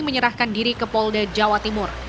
menyerahkan diri ke polda jawa timur